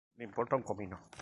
Le importa un comino